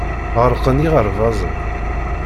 Ɣelqen yiɣerbazen.